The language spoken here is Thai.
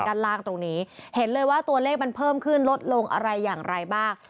ด้านล่างตรงนี้เห็นเลยว่าตัวเลขมันเพิ่มขึ้นลดลงอะไรอย่างไรบ้าง